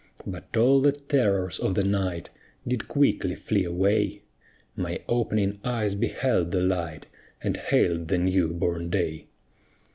But all the terrors of the night Did quickly flee away: My opening eyes beheld the light, And hail'd the new born day.